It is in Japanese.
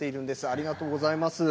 ありがとうございます。